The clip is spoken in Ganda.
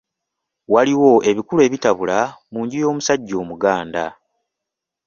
Waliwo ebikulu ebitabula mu nju y’omusajja Omuganda.